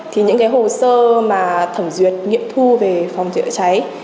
thì những cái hồ sơ mà thẩm duyệt nghiệp thu về phòng trái trái